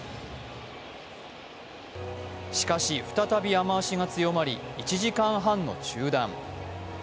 しかし、再び雨足が強まり１時間半の中断。